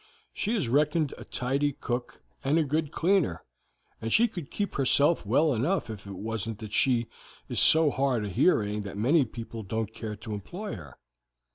She is reckoned a tidy cook and a good cleaner, and she could keep herself well enough if it wasn't that she is so hard of hearing that many people don't care to employ her.'